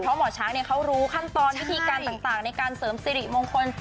เพราะหมอช้างเขารู้ขั้นตอนวิธีการต่างในการเสริมสิริมงคล